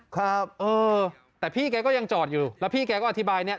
ครับเออแต่พี่แกก็ยังจอดอยู่แล้วพี่แกก็อธิบายเนี่ย